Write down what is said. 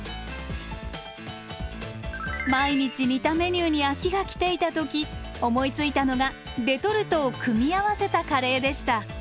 毎日似たメニューに飽きが来ていた時思いついたのがレトルトを組み合わせたカレーでした。